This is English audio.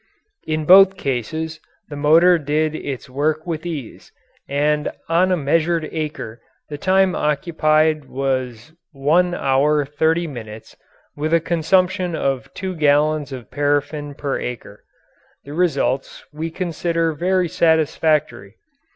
In both cases the motor did its work with ease, and on a measured acre the time occupied was 1 hour 30 minutes, with a consumption of 2 gallons of paraffin per acre. These results we consider very satisfactory.